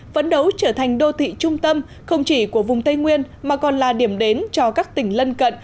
vấn đấu trở thành đô thị trung tâm không chỉ của vùng tây nguyên mà còn là điểm đến cho các tỉnh lân cận